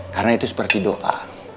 karena itu seperti doa